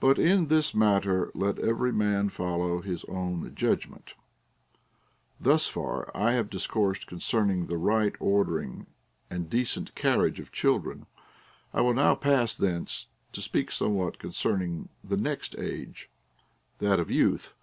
But in this matter let every man follow his ολνη judgment. Thus far have I discoursed concerning the right ordering and decent carriage of children. I will now pass thence, to speak somewhat concerning the next age, that of youth.